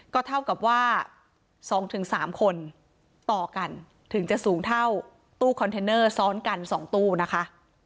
ก็เท่ากับว่า๒๓คนต่อกันถึงจะสูงเท่าตู้คอนเทนเนอร์ซ้อนกัน๒ตู้นะคะ